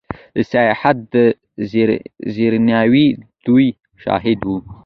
د سیاحت د زیربناوو د ودې شاهد و.